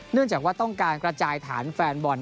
เนื่องจากว่าต้องการกระจายฐานแฟนบอล